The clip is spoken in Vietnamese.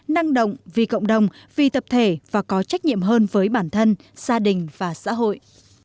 năng động vì cộng đồng vì tập thể và có trách nhiệm hơn với bản thân gia đình và xã hội